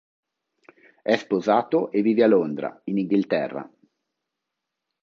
È sposato e vive a Londra, in Inghilterra.